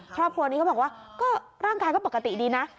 ครอบครัวนี้เขาบอกว่าก็ร่างกายก็ปกติดีนะ